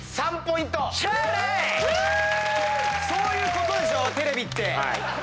そういうことでしょテレビって。